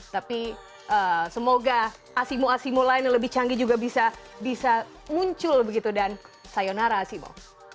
tapi semoga asimo asimo lain yang lebih canggih juga bisa muncul begitu dan sayonara asimo